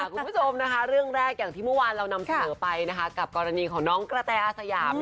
คุณผู้ชมนะคะเรื่องแรกอย่างที่เมื่อวานเรานำเสนอไปนะคะกับกรณีของน้องกระแตอาสยาม